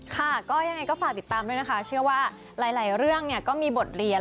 ค่ะก็ยังไงก็ฝากติดตามด้วยนะคะเชื่อว่าหลายเรื่องก็มีบทเรียน